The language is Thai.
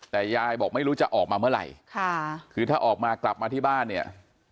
แต่ยายบอกไม่รู้จะออกมาเมื่อไหร่ค่ะคือถ้าออกมากลับมาที่บ้านเนี่ย